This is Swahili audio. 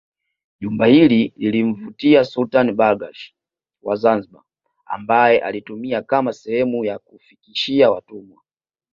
Jumba hili lilimvutia Sultani Barghash wa Zanzibar ambaye alilitumia kama sehemu ya kufikishia watumwa